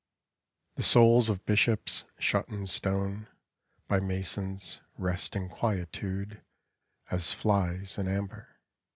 The souls of bishops, shut in stone By masons, rest in quietude As flies in amber.